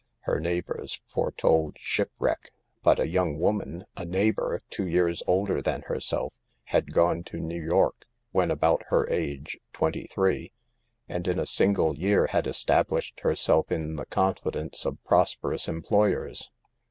Her neighbors fore told shipwreck, but a young woman, a neigh bor, two years older than herself, had gone to New York, when about her age (twenty three), and in a single year had established herself in the confidence of prosperous employers.